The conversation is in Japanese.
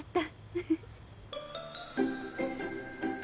フフッ。